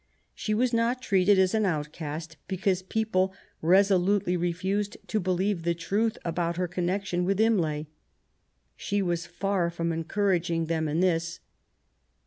She was not treated as an outcast, because people reso lutely refused to believe the truth about her connection with Imlay. She was far from encouraging them in this.